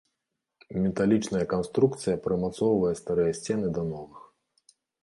Металічная канструкцыя прымацоўвае старыя сцены да новых.